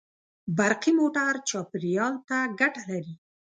برقي موټر چاپېریال ته ګټه لري.